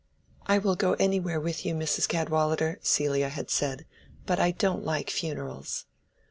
"I will go anywhere with you, Mrs. Cadwallader," Celia had said; "but I don't like funerals."